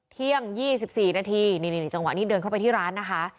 เที่ยง๒๔นาทีนี่จังหวะนี้เดินเข้าไปที่ร้านนะคะ